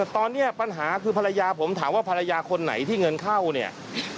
ตอนนี้ปัญหาคือภรรยาผมถามว่าภรรยาคนไหนที่เงินเข้าเนี่ย